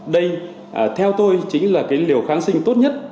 đây theo tôi chính là cái liều kháng sinh tốt nhất